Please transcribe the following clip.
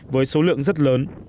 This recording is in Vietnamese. với số lượng rất lớn